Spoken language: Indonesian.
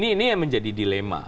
ini yang menjadi dilema